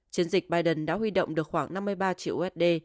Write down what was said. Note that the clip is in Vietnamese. chiến dịch biden đã huy động được khoảng năm mươi ba triệu usd